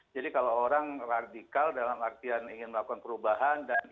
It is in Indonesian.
jadi kalau orang radikal dalam artian ingin melakukan perubahan